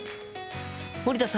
森田さん